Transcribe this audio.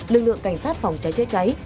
lực lượng cảnh sát phòng cháy cháy cháy